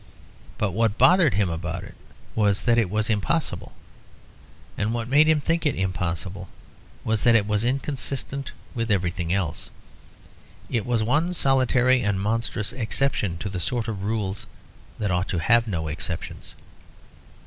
But what bothered him about it was that it was impossible. And what made him think it impossible was it was inconsistent with everything else. It was one solitary and monstrous exception to the sort of rule that ought to have no exceptions.